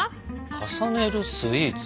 重ねるスイーツ？